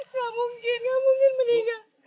gak mungkin yang mungkin meninggal